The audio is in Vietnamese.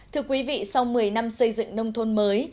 thưa quý vị sau một mươi năm xây dựng nông thôn mới